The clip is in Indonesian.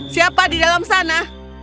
siapa di dalam sana